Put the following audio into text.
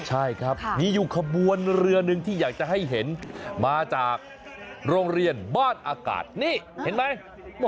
ใช่ครับมีอยู่ขบวนเรือหนึ่งที่อยากจะให้เห็นมาจากโรงเรียนบ้านอากาศนี่เห็นไหม